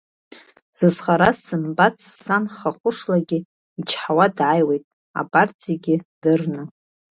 Зызхара сзымбац, сан хахәышлагьы, ичҳауа даауеит, абарҭ зегь дырны.